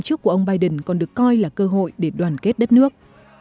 tổ chức của ông biden còn được coi là cơ hội để đoàn kết đất nước